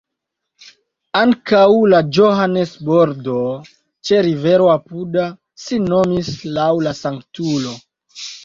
Ankaŭ la Johannes-bordo ĉe rivero apuda sin nomis laŭ la sanktulo.